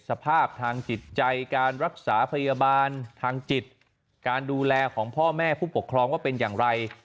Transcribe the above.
สภาพทางจิตใจการรักษาพยาบาลทางจิตการดูแลของพ่อแม่ผู้ปกครองว่าเป็นอย่างไร